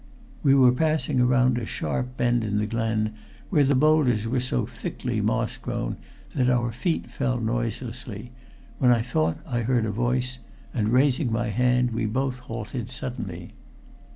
We were passing around a sharp bend in the glen where the boulders were so thickly moss grown that our feet fell noiselessly, when I thought I heard a voice, and raising my hand we both halted suddenly.